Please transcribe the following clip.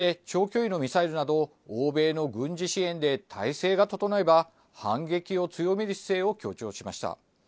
そして、長距離のミサイルなど、欧米の軍事支援で体制が整えば、反撃を強める姿勢を強調しました。